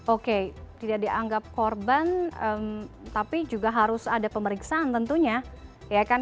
oke tidak dianggap korban tapi juga harus ada pemeriksaan tentunya ya kan